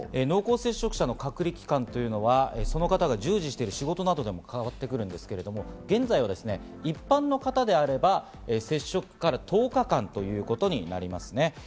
濃厚接触者の隔離期間は、その人が従事している仕事などにも関わってくるんですけど現在は一般の方であれば接触から１０日間ということになりますね。